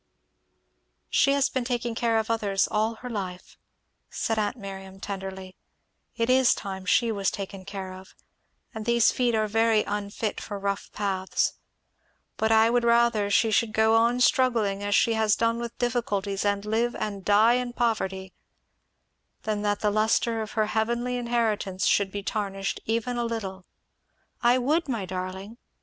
"She has been taking care of others all her life," said aunt Miriam tenderly; "it is time she was taken care of; and these feet are very unfit for rough paths; but I would rather she should go on struggling as she has done with difficulties and live and die in poverty, than that the lustre of her heavenly inheritance should be tarnished even a little. I would, my darling!